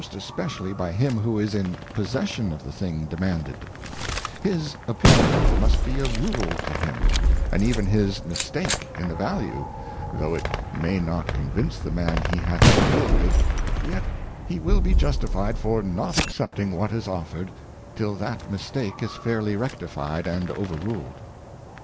especially by him who is in possession of the thing demanded : His Opinion must be a Rule to him, and even his Mistake in the Value, though it may not convince the Man he hath to deal with, yet he will be justified for not accepting what is offered, till that Mistake is fairly rectified and over ruled.